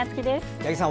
八木さん